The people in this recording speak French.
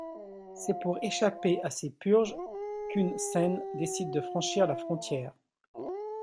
C’est pour échapper à ces purges qu’Hun Sen décide de franchir la frontière.